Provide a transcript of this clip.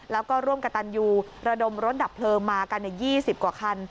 แล้วก็ร่วมกับตันยูระดมรถดับเพลิงมากัน๒๐กว่าคัน